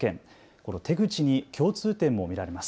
この手口に共通点も見られます。